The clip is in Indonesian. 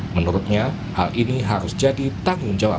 menurutnya hal ini harus jadi tanggung jawab